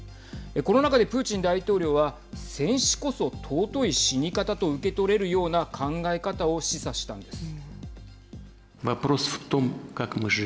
この中でプーチン大統領は戦死こそ尊い死に方と受け取れるような考え方を示唆したんです。